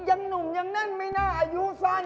อย่างหนุ่มอย่างนั้นไม่น่าอายุสั้น